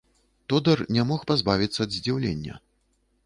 Тодар не мог пазбавіцца ад здзіўлення.